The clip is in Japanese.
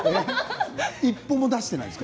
一歩も出していないですか。